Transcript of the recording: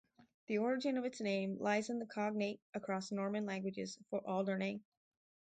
The origin of its name lies in the cognate across Norman languages for Alderney.